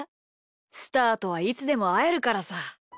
スターとはいつでもあえるからさ。